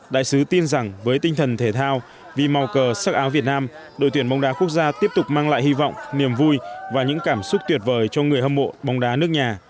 đại sứ tin rằng với tinh thần thể thao vì màu cờ sắc áo việt nam đội tuyển bóng đá quốc gia tiếp tục mang lại hy vọng niềm vui và những cảm xúc tuyệt vời cho người hâm mộ bóng đá nước nhà